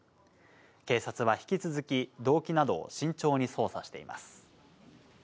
警察は引き続き、動機などを慎重に捜査しています。